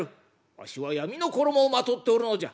「わしは闇の衣をまとっておるのじゃ！」。